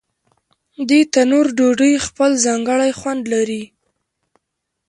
د تنور ډوډۍ خپل ځانګړی خوند لري.